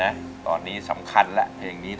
แก้มร้องได้หรือว่าร้องผิด